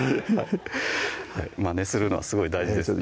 まねするのはすごい大事ですね